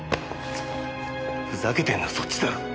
ふざけてんのはそっちだろ。